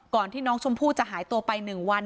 ที่น้องชมพู่จะหายตัวไป๑วัน